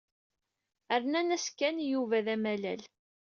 Rnan-as Ken i Yuba d amalal.